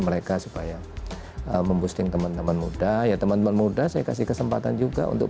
mereka supaya memposting teman teman muda ya teman teman muda saya kasih kesempatan juga untuk